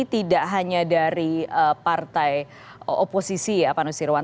tidak hanya dari partai oposisi ya pak nusirwan